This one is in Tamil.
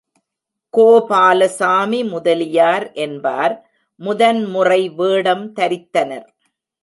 கோபாலசாமி முதலியார் என்பார் முதன் முறை வேடம் தரித்தனர்.